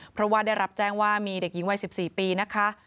เพราะว่าได้รับแจ้งว่ามีเด็กหญิงวัย๑๔ปีนะคะ